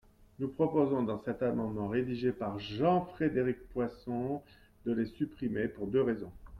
Nous proposons, dans cet amendement rédigé par Jean-Frédéric Poisson, de les supprimer, pour deux raisons.